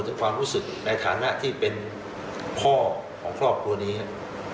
ถึงความรู้สึกในฐานะที่เป็นพ่อของครอบครัวนี้ครับ